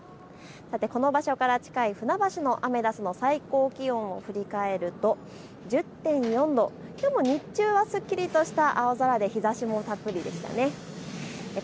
この場所から近い船橋のアメダスの最高気温を振り返ると１０．４度、きょうも日中はすっきりとした青空で日ざしたっぷりでしたね。